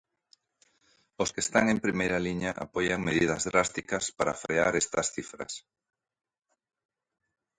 Os que están en primeira liña apoian medidas drásticas para frear estas cifras.